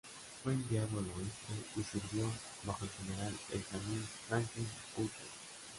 Fue enviado al Oeste y sirvió bajo el General Benjamin Franklin Butler.